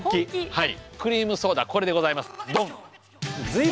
はい。